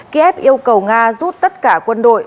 kiev yêu cầu nga rút tất cả quân đội